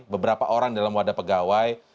beberapa orang dalam wadah pegawai